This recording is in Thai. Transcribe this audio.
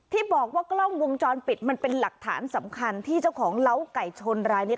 ที่บอกว่ากล้องวงจรปิดมันเป็นหลักฐานสำคัญที่เจ้าของเล้าไก่ชนรายนี้